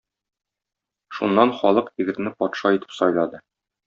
Шуннан халык егетне патша итеп сайлады.